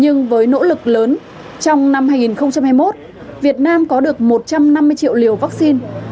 nhưng với nỗ lực lớn trong năm hai nghìn hai mươi một việt nam có được một trăm năm mươi triệu liều vaccine